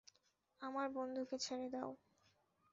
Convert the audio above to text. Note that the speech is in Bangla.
আমার বন্ধুকে ছেড়ে দাও।